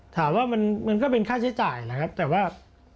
ถามว่ามันก็เป็นค่าใช้จ่ายนะครับแต่ว่า